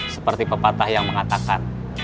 seperti pepatah yang mengatakan